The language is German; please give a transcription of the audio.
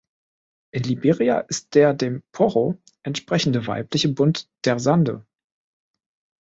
In Liberia ist der dem "Poro" entsprechende weibliche Bund der "Sande".